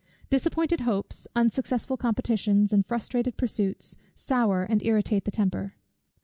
Disappointed hopes, unsuccessful competitions, and frustrated pursuits, sour and irritate the temper.